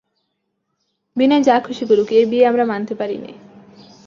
বিনয় যা খুশি করুক, এ বিয়ে আমরা মানতে পারি নে।